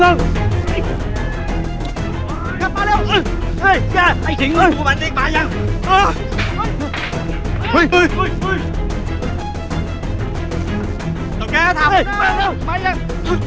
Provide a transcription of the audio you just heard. ต้องแก่ท่าพวกเรามาเร็วไปยัง